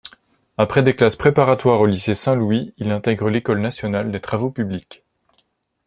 Après des classes préparatoires au Lycée Saint-Louis, il intègre l'École nationale des travaux publics.